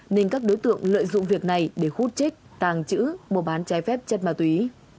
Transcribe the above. nên các đối tượng lợi dụng việc này để hút trích tàng trữ mua bán trái phép chất ma túy